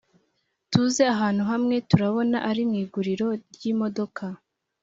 tuze ahantu hamwe turabona arimwiguriro ryimodoka